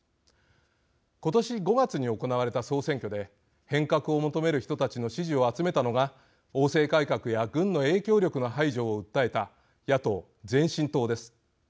今年５月に行われた総選挙で変革を求める人たちの支持を集めたのが王制改革や軍の影響力の排除を訴えた野党・前進党です。